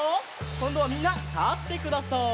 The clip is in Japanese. こんどはみんなたってください。